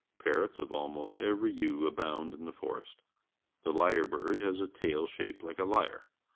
Parro ts of almost every hue abound in the forests. The l yre b ird has a tail shaped Uke a lyre.